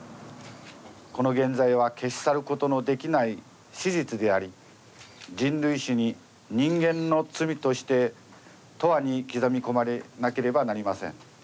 この原罪は消し去ることのできない史実であり人類史に人間の罪として永久に刻み込まれなければなりません。